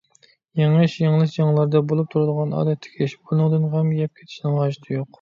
يېڭىش - يېڭىلىش جەڭلەردە بولۇپ تۇرىدىغان ئادەتتىكى ئىش، بۇنىڭدىن غەم يەپ كېتىشنىڭ ھاجىتى يوق.